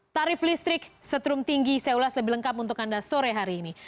tarif listrik setrum tinggi saya ulas lebih lengkap untuk anda sore hari ini